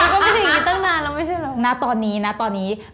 ก็ไม่ใช่อย่างนี้ตั้งนานแล้วไม่ใช่เรา